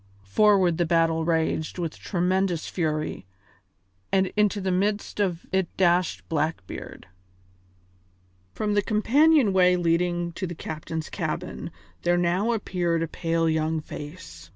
Forward the battle raged with tremendous fury, and into the midst of it dashed Blackbeard. From the companion way leading to the captain's cabin there now appeared a pale young face.